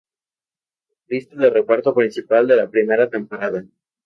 Lista de reparto principal de la primera temporada.